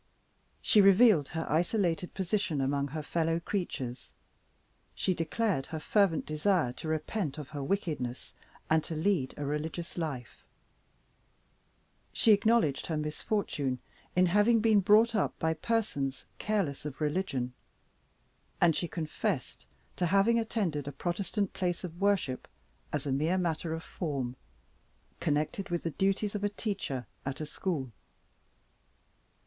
She revealed her isolated position among her fellow creatures; she declared her fervent desire to repent of her wickedness, and to lead a religious life; she acknowledged her misfortune in having been brought up by persons careless of religion, and she confessed to having attended a Protestant place of worship, as a mere matter of form connected with the duties of a teacher at a school.